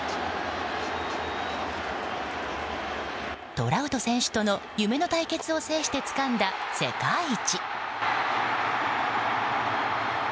トラウト選手との夢の対決を制してつかんだ世界一。